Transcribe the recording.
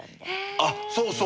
あっそうそう。